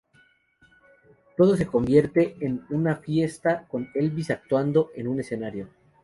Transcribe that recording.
Todo se convierte en una fiesta con Elvis actuando en un escenario.